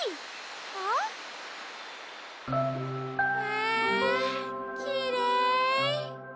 わきれい。